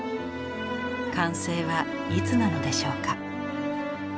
完成はいつなのでしょうか。